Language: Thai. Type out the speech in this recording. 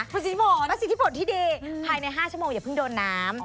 คุณสิทธิผลประสิทธิผลที่ดีภายใน๕ชั่วโมงอย่าเพิ่งโดนน้ำ